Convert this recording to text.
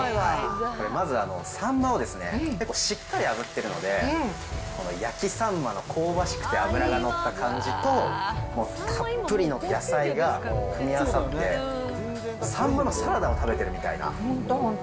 これ、まずさんまを結構しっかりあぶってるので、焼きさんまの香ばしくて脂が乗った感じと、たっぷりの野菜が組み合わさって、さんまのサラダを食べてるみた本当、本当。